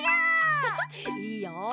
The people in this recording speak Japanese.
いいよ。